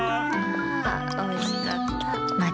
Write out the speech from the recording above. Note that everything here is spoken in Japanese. あおいしかった。